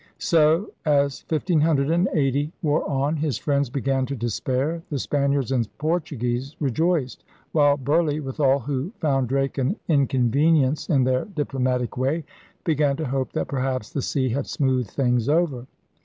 So, as 1580 wore on, his friends began to despair, the Spaniards and Portuguese rejoiced, while Burleigh, with all who found Drake an inconvenience in their diplomatic way, began to hope that perhaps the sea had smoothed things over.